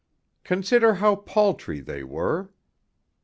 Consider how paltry they were.